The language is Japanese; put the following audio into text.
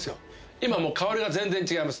今もう香りが全然違います